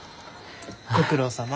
ご苦労さま。